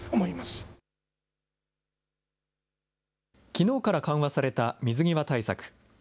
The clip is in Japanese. きのうから緩和された水際対策。